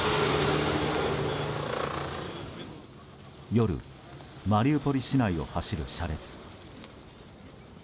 夜、マリウポリ市内を走る車列。